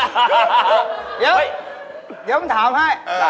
เดี๋ยวเดี๋ยวต้องถามให้